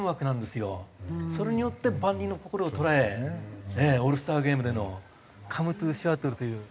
それによって万人の心を捉えオールスターゲームでの「カムトゥシアトル」という。